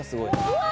うわ！